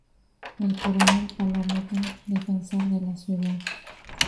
El coronel Palomeque, defensor de la ciudad.